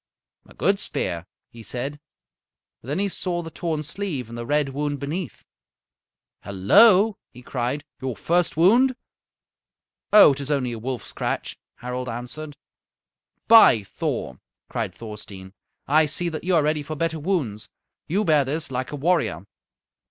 "A good spear," he said. Then he saw the torn sleeve and the red wound beneath. "Hello!" he cried. "Your first wound?" "Oh, it is only a wolf scratch," Harald answered. "By Thor!" cried Thorstein, "I see that you are ready for better wounds. You bear this like a warrior."